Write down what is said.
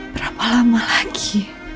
berapa lama lagi